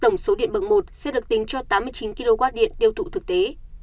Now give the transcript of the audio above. tổng số điện bậc một sẽ được tính cho tám mươi chín kw điện tiêu thụ thực tế